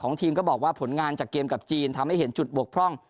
ทีมก็บอกว่าผลงานจากเกมกับจีนทำให้เห็นจุดบกพร่อง